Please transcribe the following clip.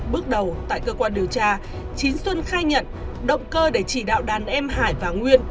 bước đầu tại cơ quan điều tra chín xuân khai nhận động cơ để chỉ đạo đàn em hải và nguyên